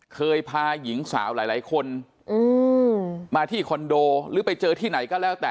เคยพาหญิงสาวหลายคนมาที่คอนโดหรือไปเจอที่ไหนก็แล้วแต่